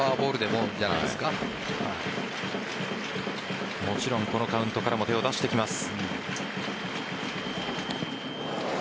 もちろんこのカウントからも手を出してきます。